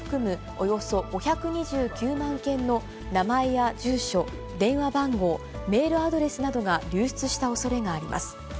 およそ５２９万件の名前や住所、電話番号、メールアドレスなどが流出したおそれがあります。